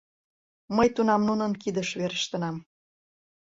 — Мый тунам нунын кидыш верештынам...